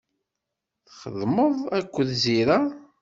Txeddmeḍ akked Zira.